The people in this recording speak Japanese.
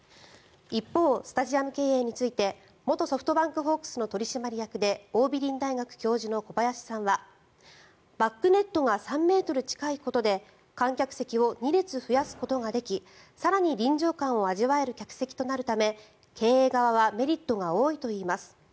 一方、スタジアム経営について元ソフトバンクホークスの取締役で桜美林大学教授の小林さんはバックネットが３ｍ近いことで観客席を２列増やすことができ更に臨場感がある客席になるため経営側はメリットが多いといいます。